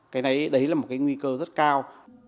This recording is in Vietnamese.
cái đấy là một cái nguy cơ rất cao